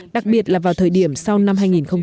đặc biệt là vào thời điểm sau năm hai nghìn hai mươi